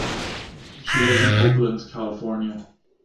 She lives in Oakland, California.